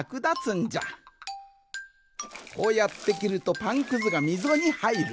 こうやってきるとパンくずがみぞにはいる。